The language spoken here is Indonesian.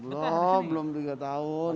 belum belum tiga tahun